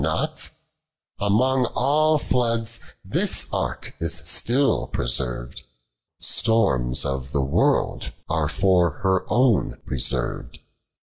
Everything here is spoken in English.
not ; Amcmg all floods this ark is still presen 'd. Storms of the world are for her own preserved.